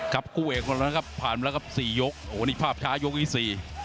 คู่เอกของเรานะครับผ่านมาแล้วครับสี่ยกโอ้โหนี่ภาพช้ายกที่สี่